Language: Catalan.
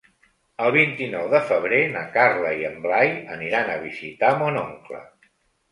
El vint-i-nou de febrer na Carla i en Blai aniran a visitar mon oncle.